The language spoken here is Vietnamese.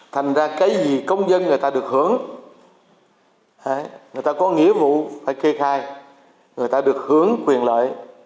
thành ra cái gì công dân người ta được hưởng người ta có nghĩa vụ phải kê khai người ta được hưởng quyền lợi